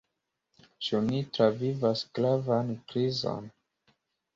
Ĉu ni travivas gravan krizon?